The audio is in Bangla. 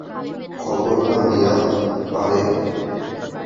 খবর না দিয়া পারে?